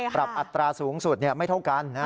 อัตราสูงสุดไม่เท่ากัน